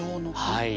はい。